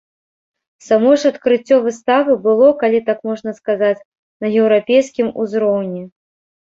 Само ж адкрыццё выставы было, калі так можна сказаць, на еўрапейскім узроўні.